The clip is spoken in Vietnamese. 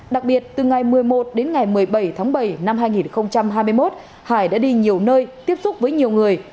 đặc biệt từ ngày một mươi một đến ngày một mươi bảy tháng bảy năm hai nghìn hai mươi một hải đã đi nhiều nơi tiếp xúc với nhiều người